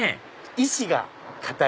石が硬い。